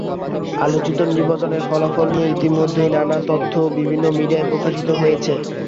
আলোচিত নির্বাচনের ফলাফল নিয়ে ইতিমধ্যেই নানা তথ্য বিভিন্ন মিডিয়ায় প্রকাশিত হয়েছে।